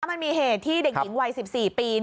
มันมีเหตุที่เด็กหญิงวัย๑๔ปี